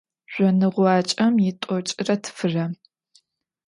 Жъоныгъуакӏэм итӏокӏрэ тфырэм.